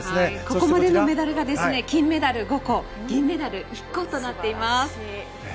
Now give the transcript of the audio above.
ここまでのメダルが金メダル５個銀メダル１個となっています。